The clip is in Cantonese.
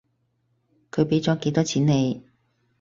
佢畀咗幾多錢你？